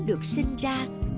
được sinh ra